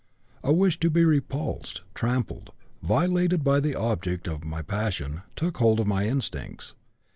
A wish to be repulsed, trampled, violated by the object of my passion took hold of my instincts.